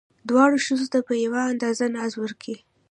دواړو ښځو ته په یوه اندازه ناز ورکئ.